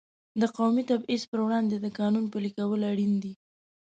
د قومي تبعیض پر وړاندې د قانون پلي کول اړین دي.